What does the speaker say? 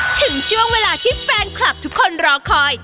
ถึงช่วงเวลาที่แฟนคลับทุกคนรอคอย